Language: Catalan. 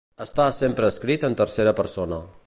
Està sempre escrit en tercera persona.